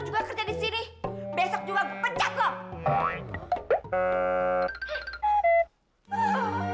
mau jadi tikus kepala item